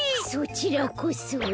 そちらこそ。